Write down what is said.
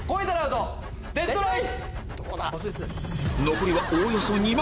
残りはおおよそ２万